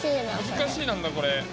難しいなんだこれ。